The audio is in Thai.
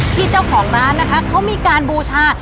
ที่เจ้าของร้านนะคะเขามีการบูชา